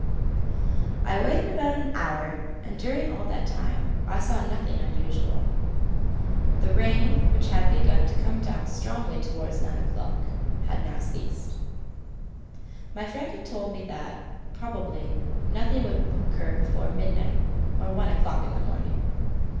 I waited about an hour, and during all that time I saw nothing unusual. The rain, which had begun to come down strongly towards nine o'clock, had now ceased. My friend had told me that, probably, nothing would occur before midnight or one o'clock in the morning.